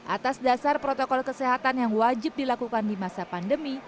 atas dasar protokol kesehatan yang wajib dilakukan di masa pandemi